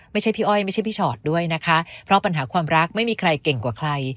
พี่อ้อยไม่ใช่พี่ชอตด้วยนะคะเพราะปัญหาความรักไม่มีใครเก่งกว่าใคร